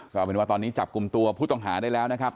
ก็เป็นว่าตอนนี้จับกลุ่มตัวผู้ต้องหาได้แล้วนะครับ